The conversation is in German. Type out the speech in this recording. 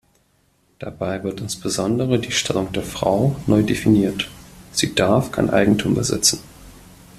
Dabei wird insbesondere die Stellung der Frau neu definiert: Sie darf kein Eigentum besitzen.